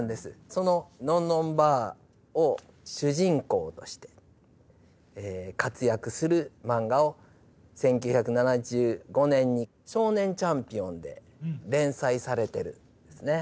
その「のんのんばあ」を主人公として活躍する漫画を１９７５年に「少年チャンピオン」で連載されてるんですね。